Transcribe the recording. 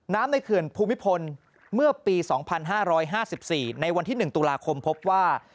ในเขื่อนภูมิพลเมื่อปี๒๕๕๔ในวันที่๑ตุลาคมพบว่า